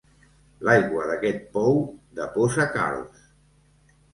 L'aigua d'aquest pou deposa calç.